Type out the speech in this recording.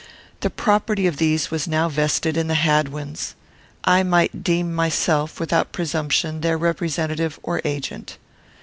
The property of these was now vested in the Hadwins. I might deem myself, without presumption, their representative or agent.